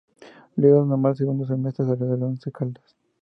Luego de un mal segundo semestre salió del Once Caldas.